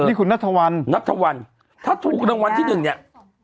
นี่คุณนัทวันนัทวันถ้าถูกรางวัลที่หนึ่งเนี่ย